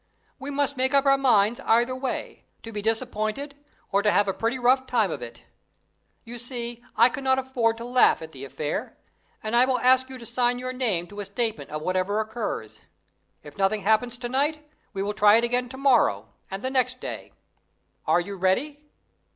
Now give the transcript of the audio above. "We must make up our minds either way to be disappointed or to have a pretty rough time of it. You see I cannot afford to laugh at the affair, and I will ask you to sign your name to a statement of whatever occurs. If nothing happens to night, we will try it again to morrow and next day. Are you ready?"